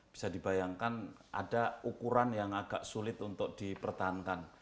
bisa dibayangkan ada ukuran yang agak sulit untuk dipertahankan